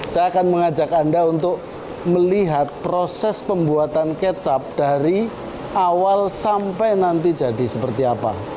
saya akan mengajak anda untuk melihat proses pembuatan kecap dari awal sampai nanti jadi seperti apa